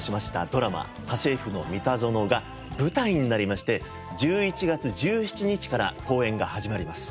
ドラマ『家政夫のミタゾノ』が舞台になりまして１１月１７日から公演が始まります。